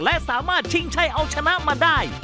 และสามารถชิงชัยเอาชนะมาได้